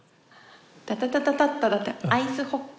タタタタタッタだったアイスホッケ。